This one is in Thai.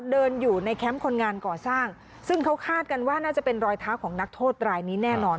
เดินอยู่ในแคมป์คนงานก่อสร้างซึ่งเขาคาดกันว่าน่าจะเป็นรอยเท้าของนักโทษรายนี้แน่นอน